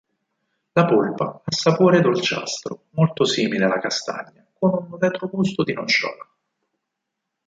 La polpa ha sapore dolciastro, molto simile alla castagna, con retrogusto di nocciola.